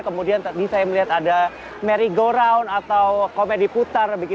kemudian tadi saya melihat ada merry go round atau komedi putar